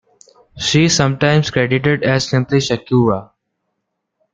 She is sometimes credited as simply Shakura.